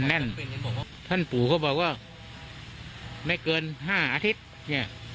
มันแน่นท่านปู่เขาบอกว่าไม่เกินห้าอาทิตย์